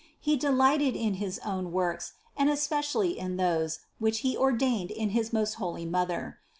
He delighted in his own works, and especially in those, which He ordained in his most holy Mother.